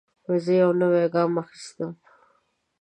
زه یو نوی ګام اخیستم.